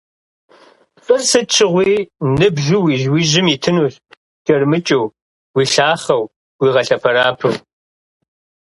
Пцӏыр сыт щыгъуи ныбжьу уи ужьым итынущ пкӀэрымыкӀыу, уилъахъэу, уигъэлъэпэрапэу.